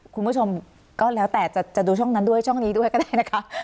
คุณผู้ชมก็แล้วแต่จะดูช่องนั้นด้วยช่องนี้ด้วยก็ได้นะคะ